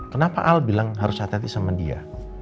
kenapa al bilang harus hati hati sama dia